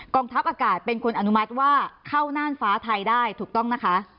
ทัพอากาศเป็นคนอนุมัติว่าเข้าน่านฟ้าไทยได้ถูกต้องนะคะ